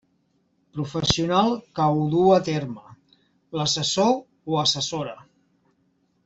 Professional que ho du a terme: l'assessor o assessora.